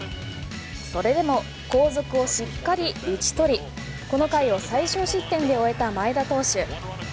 それでも後続をしっかり打ち取りこの回を最少失点で終えた前田投手。